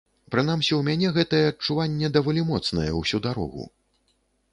Прынамсі ў мяне гэтае адчуванне даволі моцнае ўсю дарогу.